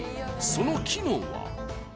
［その機能は］